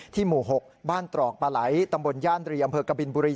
หมู่๖บ้านตรอกปลาไหลตำบลย่านรีอำเภอกบินบุรี